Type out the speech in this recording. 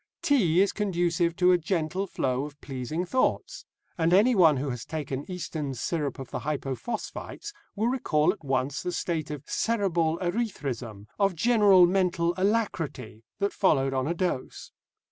Tea is conducive to a gentle flow of pleasing thoughts, and anyone who has taken Easton's syrup of the hypophosphites will recall at once the state of cerebral erethrism, of general mental alacrity, that followed on a dose.